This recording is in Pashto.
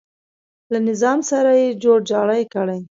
له نظام سره یې جوړ جاړی کړی.